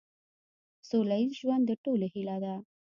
سوله ایز ژوند د ټولو هیله ده.